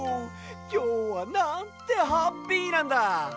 きょうはなんてハッピーなんだ！